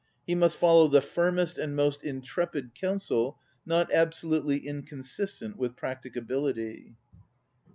He must follow the firmest and most intrepid counsel not absolutely inconsistent with practicability."